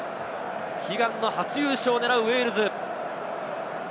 悲願の初優勝を狙うウェールズ。